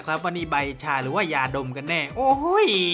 กระซุ่มกระซวยน่ะไม่ใช่กระซุ่มกระซวย